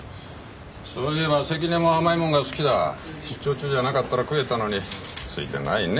そういえば関根も甘いもんが好きだ出張中じゃなかったら食えたのについてないね